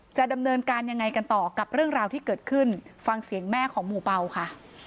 จะดำเนินการยังไงกันต่อกับเรื่องราวที่เกิดขึ้นฟังเสียงแม่ของหมู่เป่าค่ะ